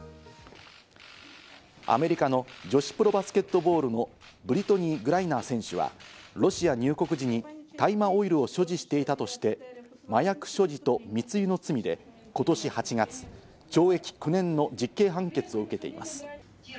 アメリカの女子プロバスケットボールのブリトニー・グライナー選手はロシア入国時に大麻オイルを所持していたとして、麻薬所持と密輸の罪で今年８月、懲役９年の実刑判決を受けています。